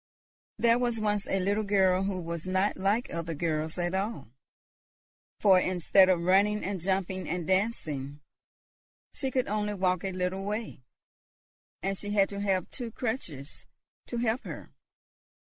There was once a little girl who was not like other girls at all; for instead of running and jumping and dancing, she could only walk a little way, and she had to have two crutches to help her.